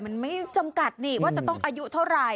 มันไม่จำกัดนี่ว่าจะต้องอายุเท่าไหร่